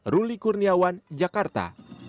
ruli kurniawan jakarta